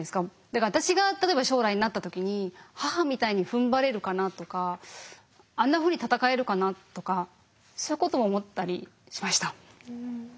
だから私が例えば将来なった時に母みたいにふんばれるかなとかあんなふうに戦えるかなとかそういうことも思ったりしました。